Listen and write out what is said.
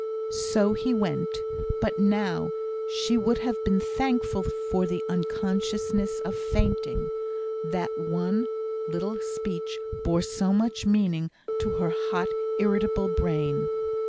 So he went. But now she would have been thankful for the unconsciousness of fainting; that one little speech bore so much meaning to her hot, irritable brain.